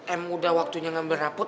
em udah waktunya ngambil rapot